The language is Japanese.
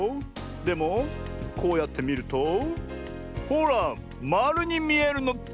でもこうやってみるとほらまるにみえるのです！